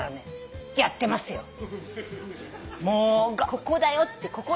ここだよって。